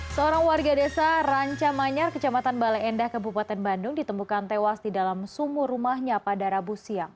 seorang warga desa ranca manyar kecamatan bale endah kabupaten bandung ditemukan tewas di dalam sumur rumahnya pada rabu siang